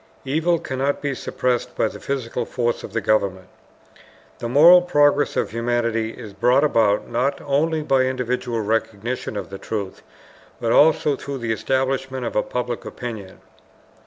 EVIL CANNOT BE SUPPRESSED BY THE PHYSICAL FORCE OF THE GOVERNMENT THE MORAL PROGRESS OF HUMANITY IS BROUGHT ABOUT NOT ONLY BY INDIVIDUAL RECOGNITION OF TRUTH, BUT ALSO THROUGH THE ESTABLISHMENT OF A PUBLIC OPINION.